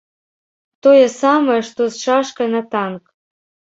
Тое самае, што з шашкай на танк.